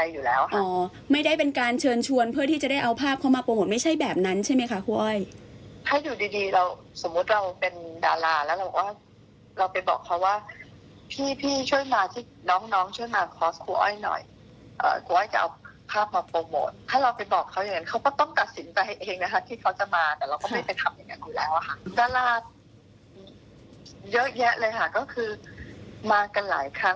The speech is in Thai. เยอะแยะเลยค่ะก็คือมากันหลายครั้งหลายคนนะคะ